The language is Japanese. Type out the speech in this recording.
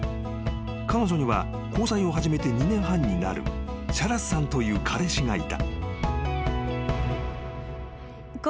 ［彼女には交際を始めて２年半になるシャラスさんという彼氏がいた］